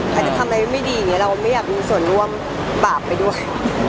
ใครจะทำอะไรไม่ดีเราไม่อยากรู้ส่วนร่วมบาปไปด้วย